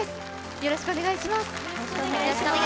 よろしくお願いします。